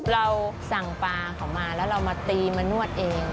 เราสั่งปลาเขามาแล้วเรามาตีมานวดเอง